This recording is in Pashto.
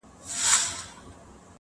زاړه ښارونه ځانګړی معماري لري